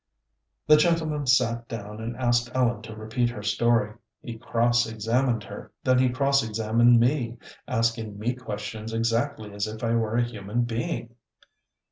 The gentleman sat down and asked Ellen to repeat her story. He cross examined her, then he cross examined me, asking me questions exactly as if I were a human being.